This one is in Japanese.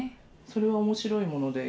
それは面白いもので？